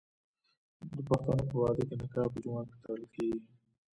د پښتنو په واده کې نکاح په جومات کې تړل کیږي.